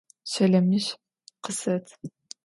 Şelemiş khıset!